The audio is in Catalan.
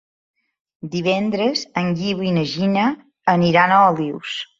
Divendres en Guiu i na Gina aniran a Olius.